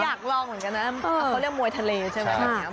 อยากลองเหมือนกันนะเขาเรียกมวยทะเลใช่ไหม